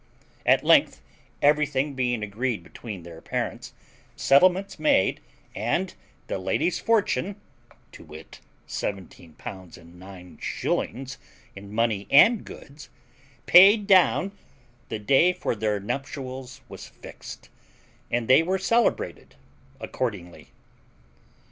At length, everything being agreed between their parents, settlements made, and the lady's fortune (to wit, seventeen pounds and nine shillings in money and goods) paid down, the day for their nuptials was fixed, and they were celebrated accordingly.